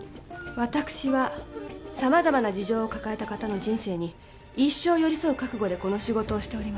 私は様々な事情を抱えた方の人生に一生寄り添う覚悟でこの仕事をしております。